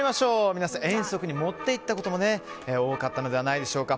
皆さん、遠足に持っていったことも多かったのではないのでしょうか。